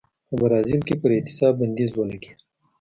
په برازیل کې پر اعتصاب بندیز ولګېد.